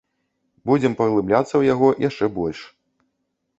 Будзем паглыбляцца ў яго яшчэ больш.